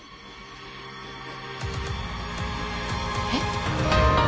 えっ？